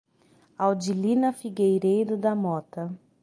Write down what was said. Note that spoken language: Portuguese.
Audilina Figueiredo da Mota